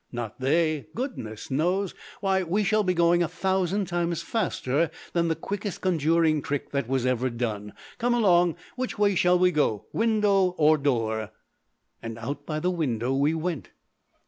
"Not they. Goodness, no! Why, we shall be going a thousand times faster than the quickest conjuring trick that was ever done. Come along! Which way shall we go? Window, or door?" And out by the window we went.